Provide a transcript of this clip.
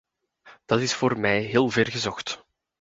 Dat is voor mij heel ver gezocht.